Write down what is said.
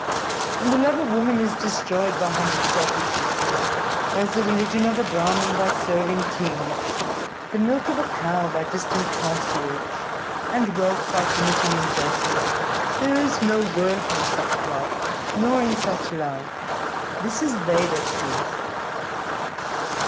And the love of woman is destroyed by humble selfishness as the religion of a Brahmin by serving kings, the milk of a cow by distant pasturage, and wealth by committing injustice. There is no worth in such wealth nor in such love. This is Veda truth."